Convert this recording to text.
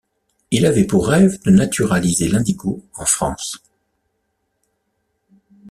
Il avait pour rêve de naturaliser l’indigo en France.